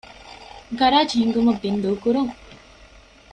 ގަރާޖް ހިންގުމަށް ބިންދޫކުރުން